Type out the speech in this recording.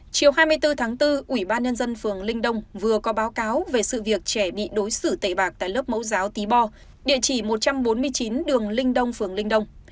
chiều hai mươi bốn tháng bốn ủy ban nhân dân phường linh đông vừa có báo cáo về sự việc trẻ bị đối xử tẩy bạc tại lớp mẫu giáo tí bo địa chỉ một trăm bốn mươi chín đường linh đông phường linh đông